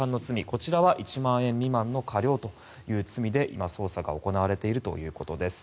こちらは１万円未満の科料という罪で今、捜査が行われているということです。